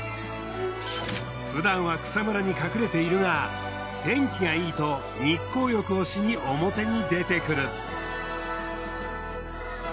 ふだんは草むらに隠れているが天気がいいと日光浴をしに表に出てくる。